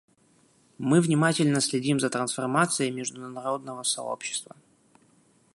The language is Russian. Мы внимательно следим за трансформацией международного сообщества.